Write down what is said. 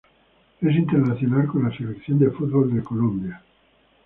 Es internacional con la Selección de fútbol de Colombia.